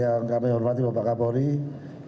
yang kami hormati bapak kapolri